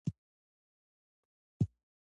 همدا ډول په لاره کې د قره کمر سیمه راغلې